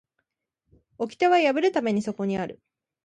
掟は破るためにそこにある